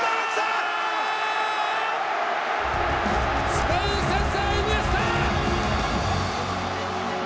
スペイン先制イニエスタ！